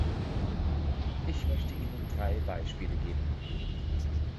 Ich möchte Ihnen drei Beispiele geben.